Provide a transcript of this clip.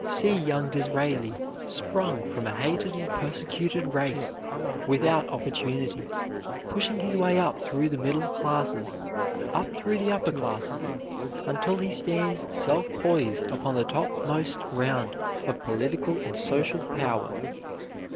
See young Disraeli, sprung from a hated and persecuted race; without opportunity, pushing his way up through the middle classes, up through the upper classes, until he stands self poised upon the topmost round of political and social power.